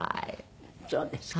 そうですか。